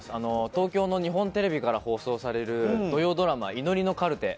東京の日本テレビから放送される土曜ドラマ、祈りのカルテ。